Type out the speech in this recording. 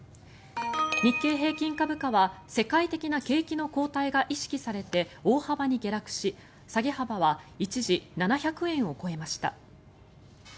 日経平均株価は世界的な景気の後退が意識されて大幅に下落し、下げ幅は一時、７００円を超えました。